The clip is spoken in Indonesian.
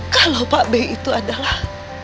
kalau pak b itu adalah